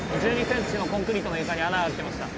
１２ｃｍのコンクリートの床に穴開けました。